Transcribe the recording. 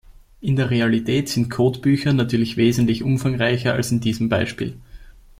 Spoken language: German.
In der Realität sind Codebücher natürlich wesentlich umfangreicher als in diesem Beispiel.